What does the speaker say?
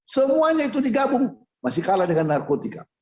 semuanya itu digabung masih kalah dengan narkotika